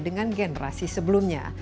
dengan generasi sebelumnya